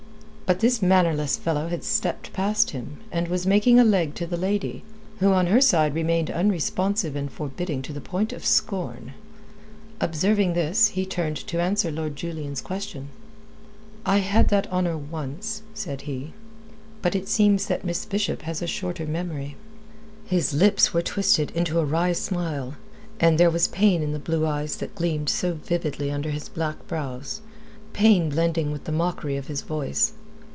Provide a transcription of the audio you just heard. But this mannerless fellow had stepped past him, and was making a leg to the lady, who on her side remained unresponsive and forbidding to the point of scorn. Observing this, he turned to answer Lord Julian's question. "I had that honour once," said he. "But it seems that Miss Bishop has a shorter memory." His lips were twisted into a wry smile, and there was pain in the blue eyes that gleamed so vividly under his black brows, pain blending with the mockery of his voice.